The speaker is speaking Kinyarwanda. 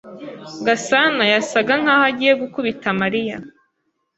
Gasana yasaga nkaho agiye gukubita Mariya.